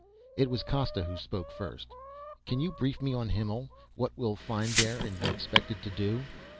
It was Costa who spoke first. "Can you brief me on Himmel what we'll find there, and be expected to do?"